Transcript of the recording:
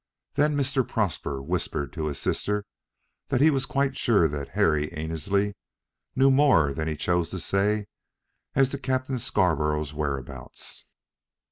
Then Mr. Prosper whispered to his sister that he was quite sure that Harry Annesley knew more than he choose to say as to Captain Scarborough's whereabouts.